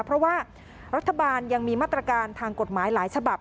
เพราะว่ารัฐบาลยังมีมาตรการทางกฎหมายหลายฉบับ